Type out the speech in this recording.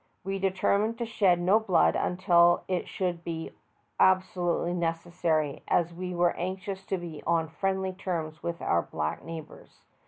We determined to shed no blood unless it should be abso lutely necessary, as we were anxious to be on friendly terms with our black neighbors.